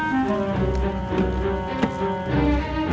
kok udah habis duluan